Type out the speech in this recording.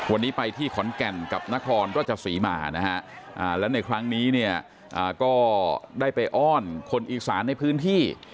วันนี้ไปที่ขอนแก่นกับนครรัฐศรีมาและในครั้งนี้ก็ได้ไปอ้อนคนอีกศาลในพื้นที่